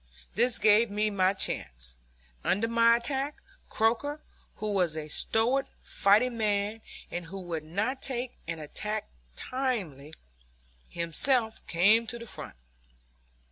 This gave me my chance. Under my attack, Croker, who was a stalwart fighting man and who would not take an attack tamely, himself came to the front.